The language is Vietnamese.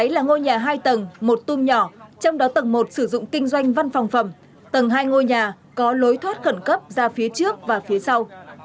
bảy là ngôi nhà hai tầng một tung nhỏ trong đó tầng một sử dụng kinh doanh văn phòng phẩm tầng hai ngôi nhà có lối thoát khẩn cấp ra phía trước và phía sau